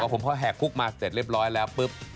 ผมพอแหกคุกมาเสร็จเรียบร้อยแล้วปุ๊บ